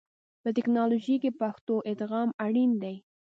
په ټکنالوژي کې پښتو ادغام اړین دی.